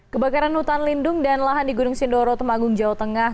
kebakaran hutan lindung dan lahan di gunung sindoro temanggung jawa tengah